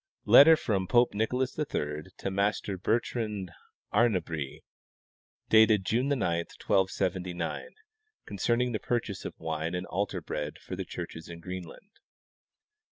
Letter from Pope Nicolas III to Master Bertrand Arnabrie, dated June 9, 1279, concerning the purchase of wine and altar bread for the churches in Greenland.